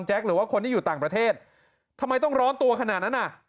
หรือว่าคนที่อยู่ต่างประเทศทำไมต้องร้อนตัวขนาดนั้นอ่ะ